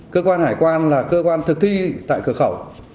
cơ quan hải quan là cơ quan thực thi tại cửa khẩu